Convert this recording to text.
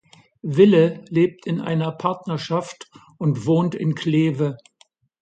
Wille lebt in einer Partnerschaft und wohnt in Kleve.